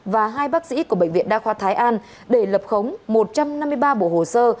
và hai bác sĩ của bệnh viện đa khoa thái an để lập khống một trăm năm mươi ba bộ hồ sơ